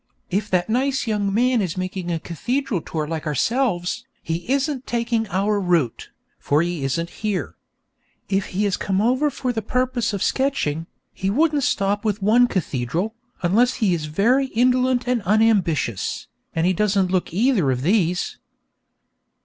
If that nice young man is making a cathedral tour like ourselves, he isn't taking our route, for he isn't here. If he has come over for the purpose of sketching, he wouldn't stop with one cathedral, unless he is very indolent and unambitious, and he doesn't look either of these.